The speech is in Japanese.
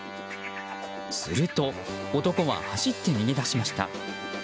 すると男は走って逃げ出しました。